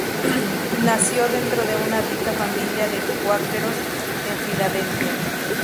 Nació dentro de una rica familia de cuáqueros en Filadelfia.